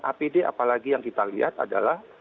apd apalagi yang kita lihat adalah